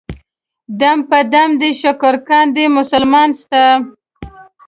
دم په دم دې شکر کاندي مسلمان ستا.